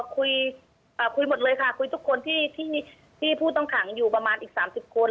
คุยหมดเลยค่ะคุยทุกคนที่ผู้ต้องขังอยู่ประมาณอีก๓๐คน